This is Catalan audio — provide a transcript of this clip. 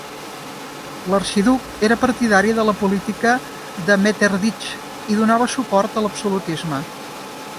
L'arxiduc era partidari de la política de Metternich i donava suport a l'absolutisme.